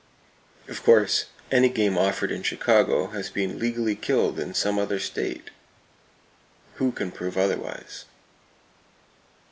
Of course, any game offered in Chicago has been "legally killed in some other state!" Who can prove otherwise?